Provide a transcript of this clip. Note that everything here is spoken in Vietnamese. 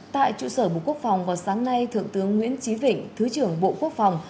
tại trụ sở bộ quốc phòng vào sáng nay thượng tướng nguyễn trí vịnh thứ trưởng bộ quốc phòng